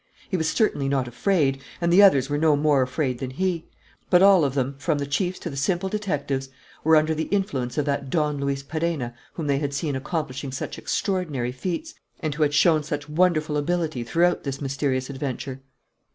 He was certainly not afraid; and the others were no more afraid than he. But all of them, from the chiefs to the simple detectives, were under the influence of that Don Luis Perenna whom they had seen accomplishing such extraordinary feats, and who had shown such wonderful ability throughout this mysterious adventure.